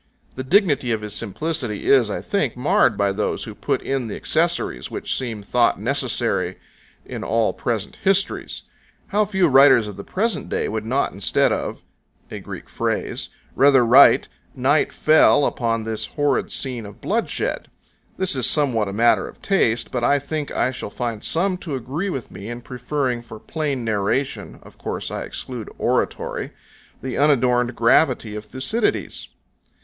The dignity of his simplicity is, I think, marred by those who put in the accessories which seem thought necessary in all present histories. How few writers of the present day would not, instead of νὑξ γὰρ ἐπεγένετο τῷ ἓργῳ rather write, "Night fell upon this horrid scene of bloodshed." This is somewhat a matter of taste, but I think I shall find some to agree with me in preferring for plain narration (of course I exclude oratory) the unadorned gravity of Thucydides.